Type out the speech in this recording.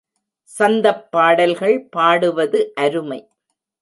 சந்தப் பாடல்கள் பாடுவது அருமை.